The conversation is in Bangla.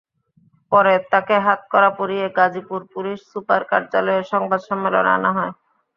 পরে তাঁকে হাতকড়া পরিয়ে গাজীপুর পুলিশ সুপার কার্যালয়ে সংবাদ সম্মেলনে আনা হয়।